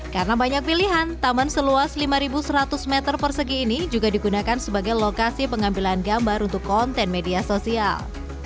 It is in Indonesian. karena banyak pilihan taman seluas lima seratus meter persegi ini juga digunakan sebagai lokasi pengambilan gambar untuk konten media sosial